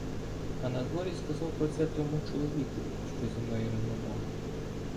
А надворі сказав про це тому чоловікові, що зі мною розмовляв.